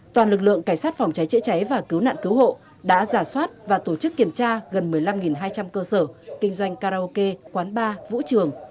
toàn lực lượng cảnh sát phòng cháy chữa cháy và cứu nạn cứu hộ đã giả soát và tổ chức kiểm tra gần một mươi năm hai trăm linh cơ sở kinh doanh karaoke quán bar vũ trường